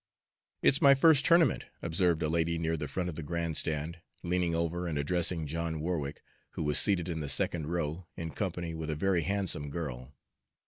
"It's my first tournament," observed a lady near the front of the grand stand, leaning over and addressing John Warwick, who was seated in the second row, in company with a very handsome girl.